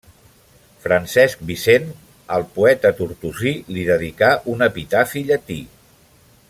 Francesc Vicent, el poeta tortosí, li dedicà un epitafi llatí.